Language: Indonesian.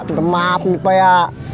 tentang maafin pak ya